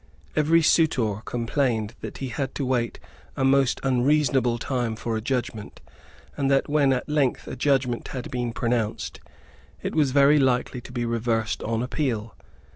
Every suitor complained that he had to wait a most unreasonable time for a judgment, and that, when at length a judgment had been pronounced, it was very likely to be reversed on appeal.